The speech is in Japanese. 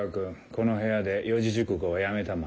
この部屋で四字熟語はやめたまえ。